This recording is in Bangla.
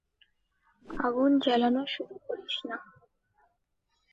আগুন জ্বালানো শুরু করিস না।